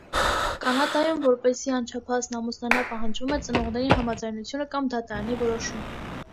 Կանադայում որպեսզի անչափահասն ամուսնանա պահանջվում է ծնողների համաձայնությունը կամ դատարանի որոշում։